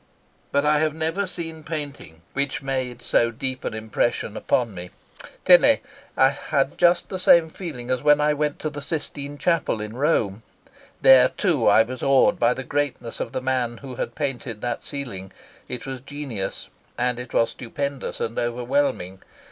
But I have never seen painting which made so deep an impression upon me. , I had just the same feeling as when I went to the Sistine Chapel in Rome. There too I was awed by the greatness of the man who had painted that ceiling. It was genius, and it was stupendous and overwhelming.